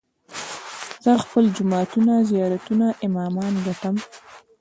زه خپل جوماتونه، زيارتونه، امامان ګټم